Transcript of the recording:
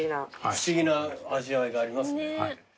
不思議な味わいがありますね。